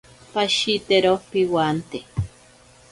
Pashitero piwante.